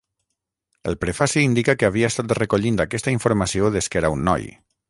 El prefaci indica que havia estat recollint aquesta informació des que era un noi.